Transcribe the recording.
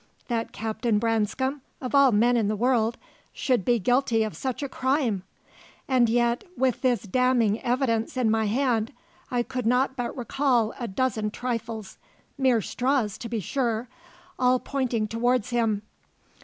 That Captain Branscome, of all men in the world, should be guilty of such a crime! And yet, with this damning evidence in my hand, I could not but recall a dozen trifles mere straws, to be sure all pointing towards him.